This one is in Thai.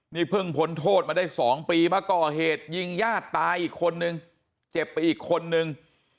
นี่เพิ่งพ้นโทษมาได้๒ปีมาก่อเหตุยิงญาติตายอีกคนนึงเจ็บไปอีกคนนึง